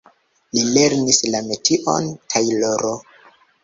Li lernis la metion tajloro.